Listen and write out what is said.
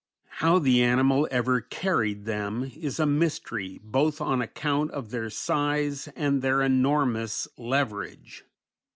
How the animal ever carried them is a mystery, both on account of their size and their enormous leverage.